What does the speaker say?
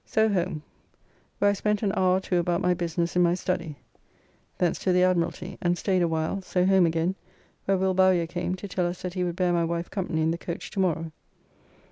So home, where I spent an hour or two about my business in my study. Thence to the Admiralty, and staid a while, so home again, where Will Bowyer came to tell us that he would bear my wife company in the coach to morrow.